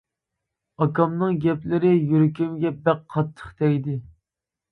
ئاكامنىڭ گەپلىرى يۈرىكىمگە بەك قاتتىق تەگدى.